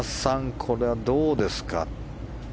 これはどうでしょうか。